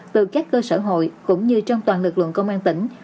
từ các cơ sở hội cũng như trong toàn lực lượng công an tỉnh